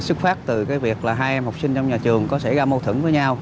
xuất phát từ cái việc là hai em học sinh trong nhà trường có xảy ra mâu thửng với nhau